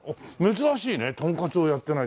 珍しいねトンカツをやってない。